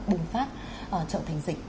bùng phát trợ thành dịch